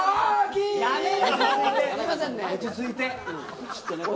落ち着いて。